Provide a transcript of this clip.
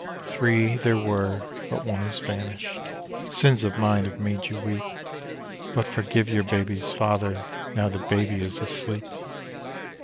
Three there were, but one has vanished. Sins of mine have made you weep; But forgive your baby's father now that baby is asleep.